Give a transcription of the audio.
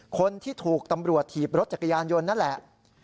คนที่ถูกตำรวจถีบรถจักรยานยนต์นั่นแหละ